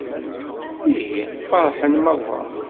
Ihi, ferḥen merra.